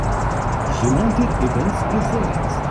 تو بات بنتی ہے۔